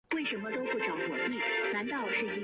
这个形成的地下渠道就是熔岩管。